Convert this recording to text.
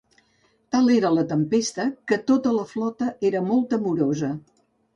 Tal era la tempesta que tota la flota era molt temorosa.